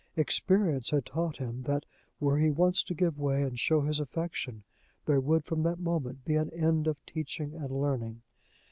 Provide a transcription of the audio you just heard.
Experience had taught him that, were he once to give way and show his affection, there would from that moment be an end of teaching and learning.